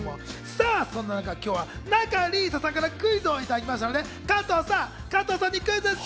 さぁ、今日は仲里依紗さんからクイズをいただきましたので、加藤さんにクイズッス。